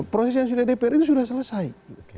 proses yang sudah dpr ini sudah selesai